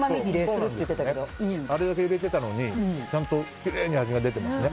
あれだけ入れてたのにちゃんときれいに味が出てますね。